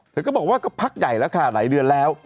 เธอก็บอกว่าก็พักใหญ่แล้วค่ะหลายเดือนแล้ว